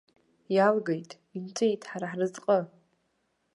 Иалгеит, инҵәеит ҳара ҳразҟы!